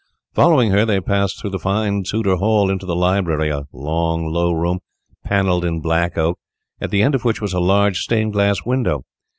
Following her, they passed through the fine Tudor hall into the library, a long, low room, panelled in black oak, at the end of which was a large stained glass window.